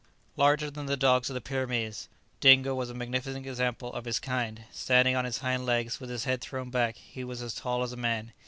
Larger than the dogs of the Pyrenees, Dingo was a magnificent example of his kind. Standing on his hind legs, with his head thrown back, he was as tall as a man.